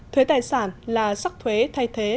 thuế tài sản là sắc thuế thay thế